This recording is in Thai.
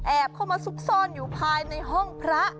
เข้ามาซุกซ่อนอยู่ภายในห้องพระ